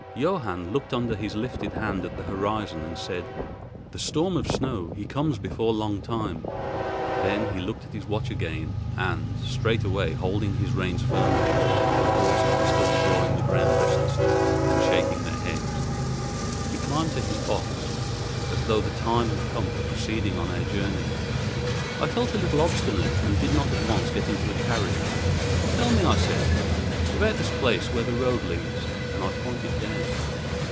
Johann looked under his lifted hand at the horizon and said: "The storm of snow, he comes before long time." Then he looked at his watch again, and, straightway holding his reins firmly—for the horses were still pawing the ground restlessly and shaking their heads—he climbed to his box as though the time had come for proceeding on our journey. I felt a little obstinate and did not at once get into the carriage. "Tell me," I said, "about this place where the road leads," and I pointed down.